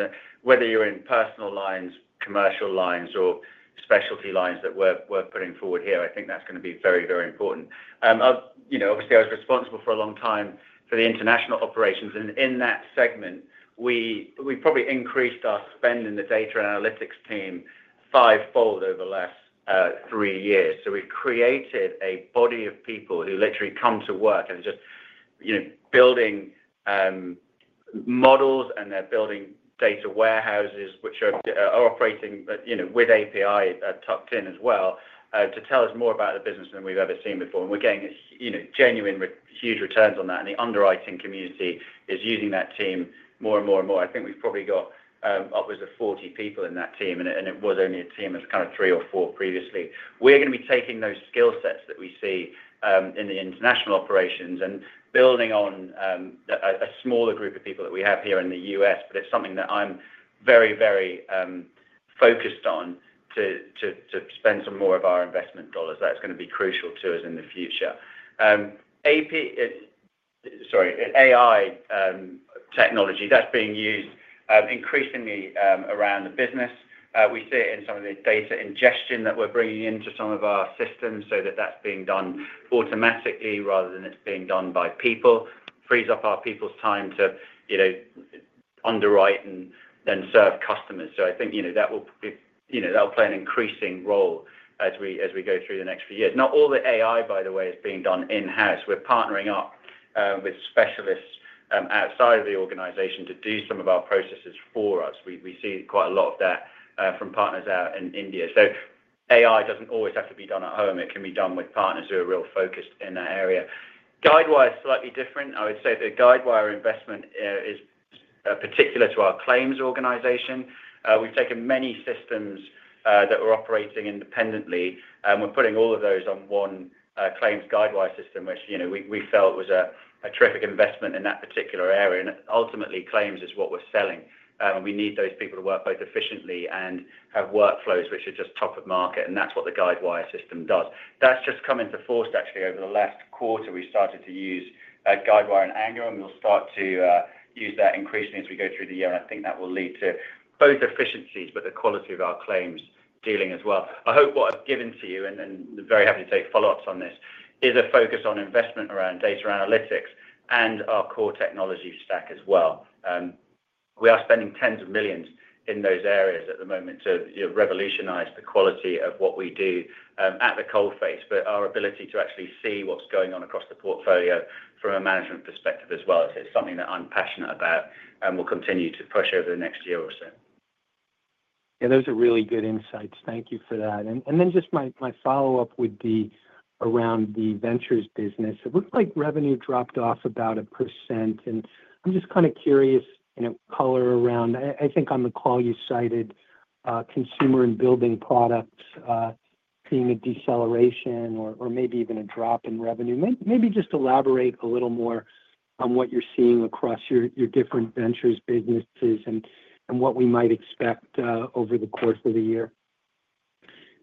Whether you're in personal lines, commercial lines, or specialty lines that we're putting forward here, I think that's going to be very, very important. Obviously, I was responsible for a long time for the international operations. In that segment, we probably increased our spend in the data and analytics team fivefold over the last three years. We have created a body of people who literally come to work and are just building models, and they're building data warehouses, which are operating with API tucked in as well to tell us more about the business than we've ever seen before. We're getting genuine huge returns on that. The underwriting community is using that team more and more and more. I think we've probably got upwards of 40 people in that team, and it was only a team of kind of three or four previously. We're going to be taking those skill sets that we see in the international operations and building on a smaller group of people that we have here in the U.S. It is something that I'm very, very focused on to spend some more of our investment dollars. That is going to be crucial to us in the future. Sorry, AI technology that is being used increasingly around the business. We see it in some of the data ingestion that we're bringing into some of our systems so that that is being done automatically rather than it is being done by people, frees up our people's time to underwrite and then serve customers. I think that will play an increasing role as we go through the next few years. Not all the AI, by the way, is being done in-house. We're partnering up with specialists outside of the organization to do some of our processes for us. We see quite a lot of that from partners out in India. AI doesn't always have to be done at home. It can be done with partners who are real focused in that area. Guidewire is slightly different. I would say that Guidewire investment is particular to our claims organization. We've taken many systems that were operating independently, and we're putting all of those on one claims Guidewire system, which we felt was a terrific investment in that particular area. Ultimately, claims is what we're selling. We need those people to work both efficiently and have workflows which are just top of market. That's what the Guidewire system does. That's just come into force, actually, over the last quarter. We've started to use Guidewire and Angular, and we'll start to use that increasingly as we go through the year. I think that will lead to both efficiencies, but the quality of our claims dealing as well. I hope what I've given to you, and I'm very happy to take follow-ups on this, is a focus on investment around data analytics and our core technology stack as well. We are spending tens of millions in those areas at the moment to revolutionize the quality of what we do at the coalface, but our ability to actually see what's going on across the portfolio from a management perspective as well. It's something that I'm passionate about and will continue to push over the next year or so. Yeah, those are really good insights. Thank you for that. My follow-up would be around the ventures business.It looked like revenue dropped off about 1%. I'm just kind of curious in a color around, I think on the call you cited consumer and building products seeing a deceleration or maybe even a drop in revenue. Maybe just elaborate a little more on what you're seeing across your different ventures businesses and what we might expect over the course of the year.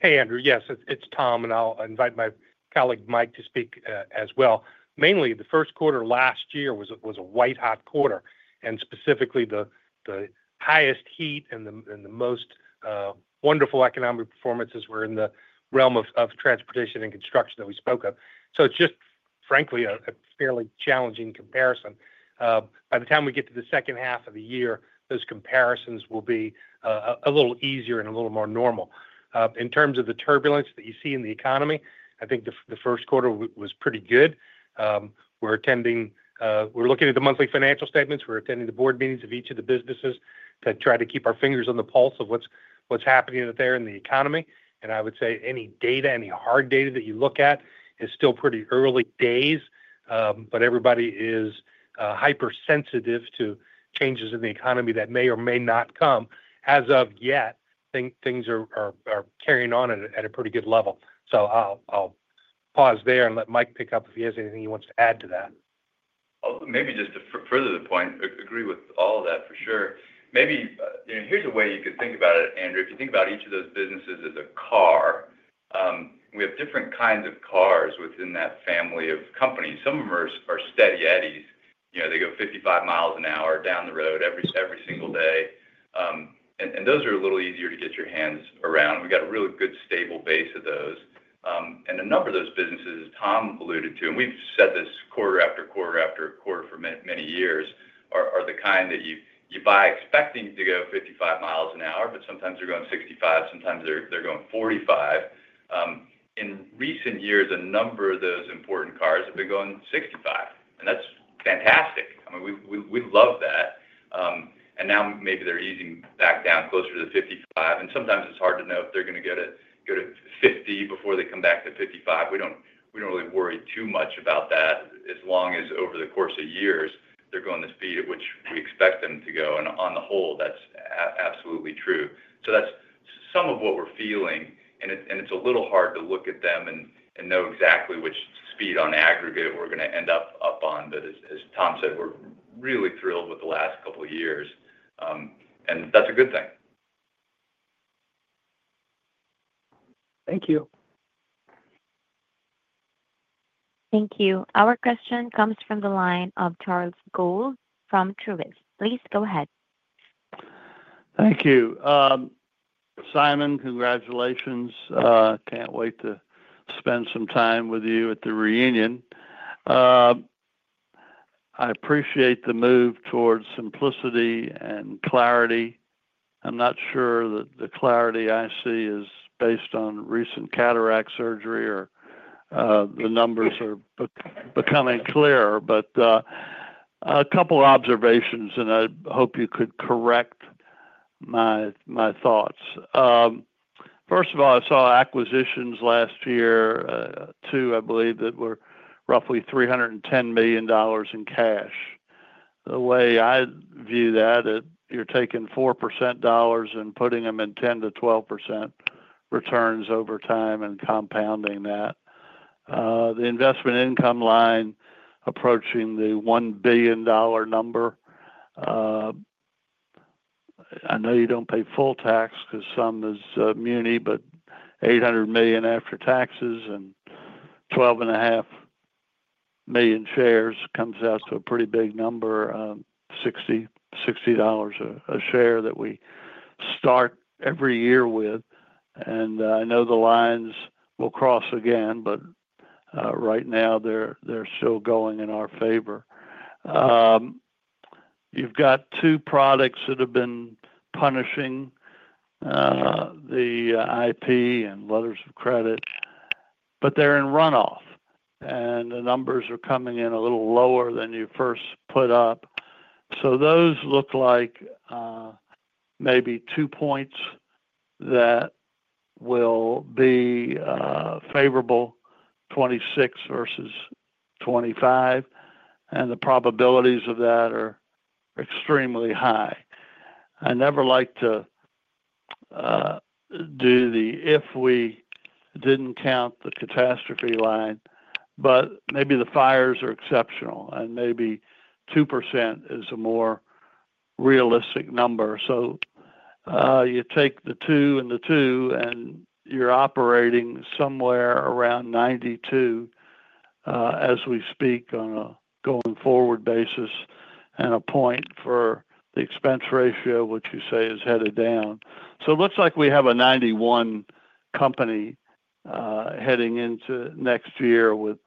Hey, Andrew. Yes, it's Tom, and I'll invite my colleague Mike to speak as well. Mainly, the first quarter last year was a white-hot quarter, and specifically, the highest heat and the most wonderful economic performances were in the realm of transportation and construction that we spoke of. It's just, frankly, a fairly challenging comparison. By the time we get to the second half of the year, those comparisons will be a little easier and a little more normal. In terms of the turbulence that you see in the economy, I think the first quarter was pretty good. We're looking at the monthly financial statements. We're attending the board meetings of each of the businesses to try to keep our fingers on the pulse of what's happening there in the economy. I would say any data, any hard data that you look at is still pretty early days, but everybody is hypersensitive to changes in the economy that may or may not come. As of yet, things are carrying on at a pretty good level. I'll pause there and let Mike pick up if he has anything he wants to add to that. Maybe just to further the point, agree with all of that for sure. Maybe here's a way you could think about it, Andrew. If you think about each of those businesses as a car, we have different kinds of cars within that family of companies. Some of them are steady eddies. They go 55 mi an hour down the road every single day. Those are a little easier to get your hands around. We have a really good stable base of those. A number of those businesses, as Tom alluded to, and we have said this quarter after quarter after quarter for many years, are the kind that you buy expecting to go 55 mi an hour, but sometimes they are going 65 mi. Sometimes they are going 45 mi. In recent years, a number of those important cars have been going 65 mi. That is fantastic. I mean, we love that. Now maybe they are easing back down closer to the 55 mi. Sometimes it's hard to know if they're going to go to 50 mi before they come back to 55 mi. We don't really worry too much about that as long as over the course of years, they're going the speed at which we expect them to go. On the whole, that's absolutely true. That's some of what we're feeling. It's a little hard to look at them and know exactly which speed on aggregate we're going to end up on. As Tom said, we're really thrilled with the last couple of years. That's a good thing. Thank you. Thank you. Our question comes from the line of Charles Gold from Truist. Please go ahead. Thank you. Simon, congratulations. Can't wait to spend some time with you at the reunion. I appreciate the move towards simplicity and clarity. I'm not sure that the clarity I see is based on recent cataract surgery or the numbers are becoming clearer. A couple of observations, and I hope you could correct my thoughts. First of all, I saw acquisitions last year, two, I believe, that were roughly $310 million in cash. The way I view that, you're taking 4% dollars and putting them in 10%-12% returns over time and compounding that. The investment income line approaching the $1 billion number. I know you don't pay full tax because some is muni, but $800 million after taxes and 12.5 million shares comes out to a pretty big number, $60 a share that we start every year with. I know the lines will cross again, but right now, they're still going in our favor. You've got two products that have been punishing, the CPI and letters of credit, but they're in runoff. And the numbers are coming in a little lower than you first put up. So those look like maybe two points that will be favorable, 26 versus 25. And the probabilities of that are extremely high. I never like to do the, "If we didn't count the catastrophe line," but maybe the fires are exceptional, and maybe 2% is a more realistic number. You take the two and the two, and you're operating somewhere around 92 as we speak on a going forward basis and a point for the expense ratio, which you say is headed down. It looks like we have a 91 company heading into next year with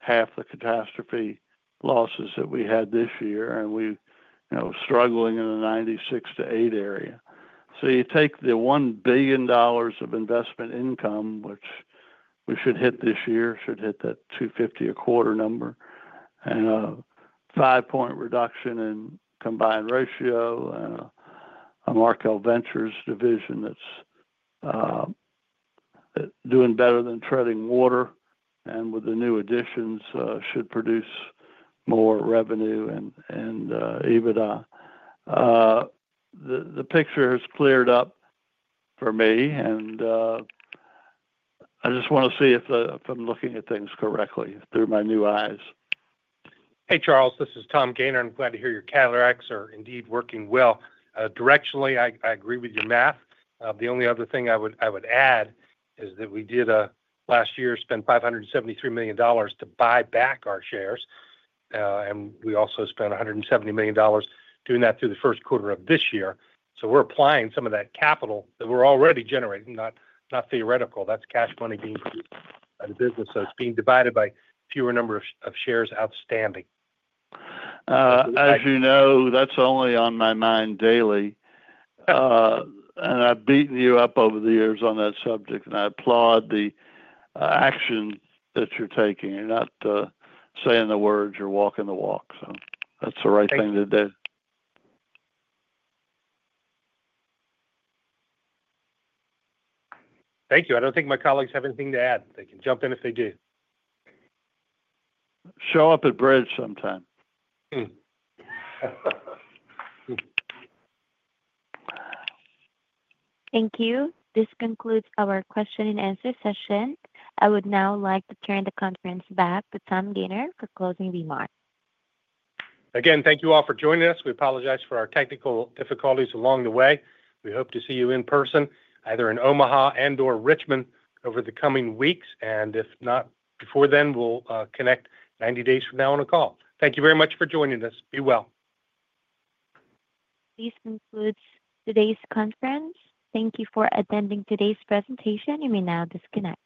half the catastrophe losses that we had this year, and we're struggling in a 96-8 area. You take the $1 billion of investment income, which we should hit this year, should hit that $250 million a quarter number, and a five-point reduction in combined ratio, and a Markel Ventures division that's doing better than treading water. With the new additions, should produce more revenue and EBITDA. The picture has cleared up for me, and I just want to see if I'm looking at things correctly through my new eyes. Hey, Charles. This is Tom Gayner. I'm glad to hear your cataracts are indeed working well. Directionally, I agree with your math. The only other thing I would add is that we did last year spend $573 million to buy back our shares. We also spent $170 million doing that through the first quarter of this year. We're applying some of that capital that we're already generating, not theoretical. That's cash money being used by the business. So it's being divided by a fewer number of shares outstanding. As you know, that's only on my mind daily. And I've beaten you up over the years on that subject, and I applaud the action that you're taking. You're not saying the words. You're walking the walk. So that's the right thing to do. Thank you. I don't think my colleagues have anything to add. They can jump in if they do. Show up at Bridge sometime. Thank you. This concludes our question-and-answer session. I would now like to turn the conference back to Tom Gayner for closing remarks. Again, thank you all for joining us. We apologize for our technical difficulties along the way. We hope to see you in person, either in Omaha and/or Richmond over the coming weeks. If not before then, we'll connect 90 days from now on a call. Thank you very much for joining us. Be well. This concludes today's conference. Thank you for attending today's presentation. You may now disconnect.